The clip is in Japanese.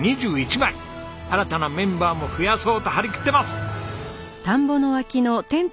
新たなメンバーも増やそうと張り切ってます！